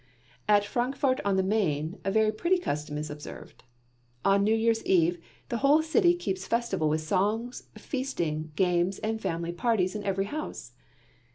At Frankfort on the Main a very pretty custom is observed. On New Year's eve the whole city keeps a festival with songs, feasting, games, and family parties in every house.